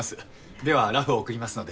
ではラフを送りますので。